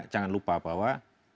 jangan lupa bahwa